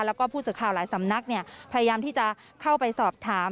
แล้วก็ผู้สื่อข่าวหลายสำนักพยายามที่จะเข้าไปสอบถาม